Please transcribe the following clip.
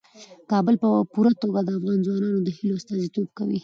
کابل په پوره توګه د افغان ځوانانو د هیلو استازیتوب کوي.